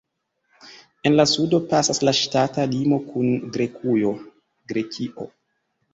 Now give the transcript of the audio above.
En la sudo pasas la ŝtata limo kun Grekujo (Grekio).